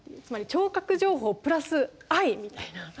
つまり聴覚情報プラス愛みたいな。